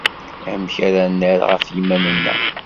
Amek ara nerr ɣef yiman-nneɣ?